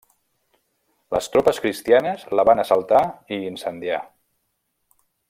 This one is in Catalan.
Les tropes cristianes la van assaltar i incendiar.